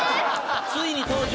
ついに登場！